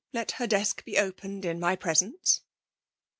Let her desk be opened in my presence.'